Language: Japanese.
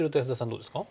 どうですか？